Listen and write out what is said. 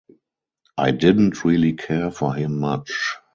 I didn't really care for him much.